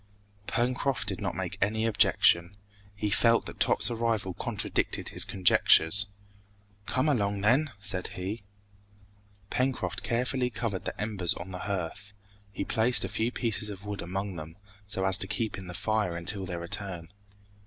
Pencroft did not make any objection. He felt that Top's arrival contradicted his conjectures. "Come along then!" said he. Pencroft carefully covered the embers on the hearth. He placed a few pieces of wood among them, so as to keep in the fire until their return.